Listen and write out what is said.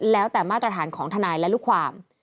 แล้วแต่มาตรฐานของทนายและลูกความ